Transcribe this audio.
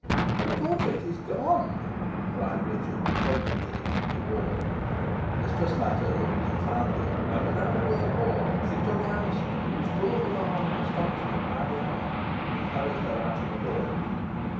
"The portrait is gone," cried Richard, pointing to the empty wall. Mistress Nutter looked confounded. And without a word more, she took Alizon, who was full of alarm and astonishment, by the arm, and hurried her out of the hall.